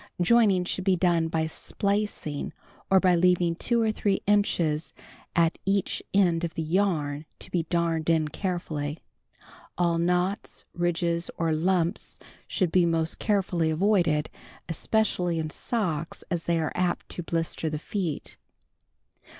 Joining should be done by splicing or h)y leaving two or three inches at eacn end of the yarn to be darned in carefully. All knots, ridges or lumps should be most carefully avoided, especially in socks, as they are apt to blister the feet.